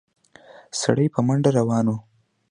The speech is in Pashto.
سړی په منډه روان و.